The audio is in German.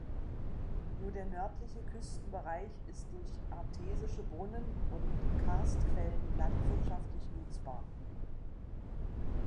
Nur der nördliche Küstenbereich ist durch artesische Brunnen und Karstquellen landwirtschaftlich nutzbar.